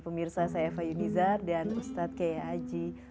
pemirsa saya fayudiza dan ustadz kaya haji